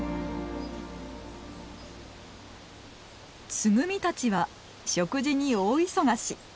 ツグミたちは食事に大忙し。